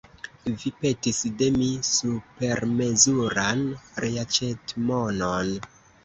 Vi petis de mi supermezuran reaĉetmonon.